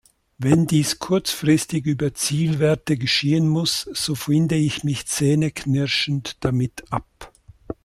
Wenn dies kurzfristig über Zielwerte geschehen muss, so finde ich mich zähneknirschend damit ab.